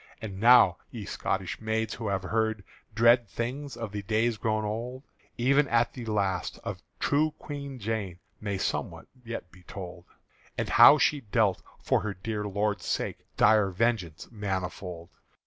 And now, ye Scotish maids who have heard Dread things of the days grown old Even at the last, of true Queen Jane May somewhat yet be told, And how she dealt for her dear Lord's sake Dire vengeance manifold.